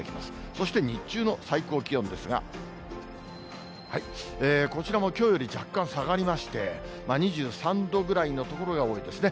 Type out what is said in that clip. そして日中の最高気温ですが、こちらもきょうより若干下がりまして、２３度ぐらいの所が多いですね。